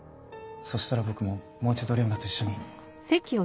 そしたら僕ももう一度レオナと一緒に。